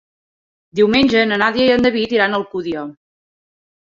Diumenge na Nàdia i en David iran a Alcúdia.